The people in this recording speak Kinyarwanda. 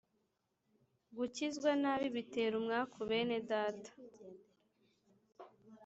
Gukizwa nabi bitera umwaku bene data